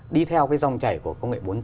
đi theo cái dòng chảy của công nghệ